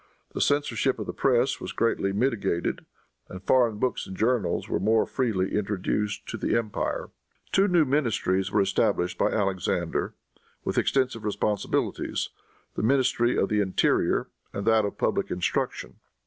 The censorship of the press was greatly mitigated, and foreign books and journals were more freely introduced to the empire. Two new ministries were established by Alexander, with extensive responsibilities the Ministry of the Interior, and that of Public Instruction.